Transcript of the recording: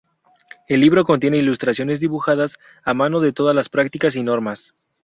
El libro contiene ilustraciones dibujadas a mano de todas las prácticas y normas.